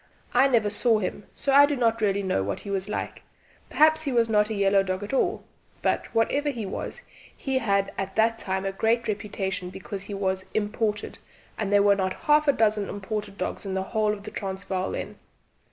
I never saw him, so I do not really know what he was like perhaps he was not a yellow dog at all; but, whatever he was, he had at that time a great reputation because he was 'imported,' and there were not half a dozen imported dogs in the whole of the Transvaal then.